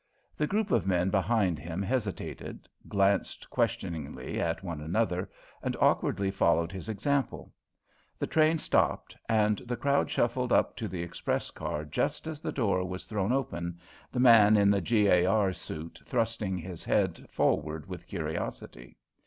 The group of men behind him hesitated, glanced questioningly at one another, and awkwardly followed his example. The train stopped, and the crowd shuffled up to the express car just as the door was thrown open, the man in the G.A.R. suit thrusting his head forward with curiosity.